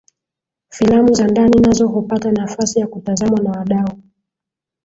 Filamu za ndani nazo hupata nafasi ya kutazamwa na wadau